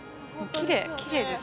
きれいです。